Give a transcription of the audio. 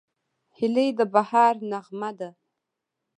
هیلۍ د بهار نغمه ده